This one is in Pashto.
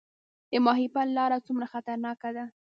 د ماهیپر لاره څومره خطرناکه ده؟